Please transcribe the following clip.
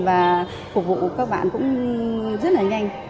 và phục vụ các bạn cũng rất là nhanh